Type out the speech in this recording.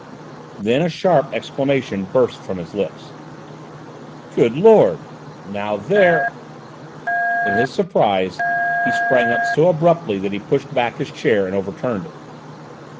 Then a sharp exclamation burst from his lips. "Good Lord! Now there " In his surprise he sprang up so abruptly that he pushed back his chair, and overturned it.